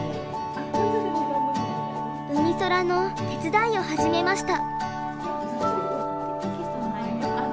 うみそらの手伝いを始めました。